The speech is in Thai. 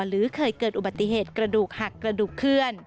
หรือเคยเกิดอุบัติเหตุกระดูกหักกระดูกเคลื่อน